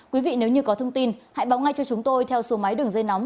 quý vị nếu như có thông tin hãy báo ngay cho chúng tôi theo số máy đường dây nóng